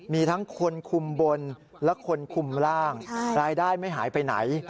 มีทั้งคนคุมบนและคนคุมร่างรายได้ไม่หายไปไหน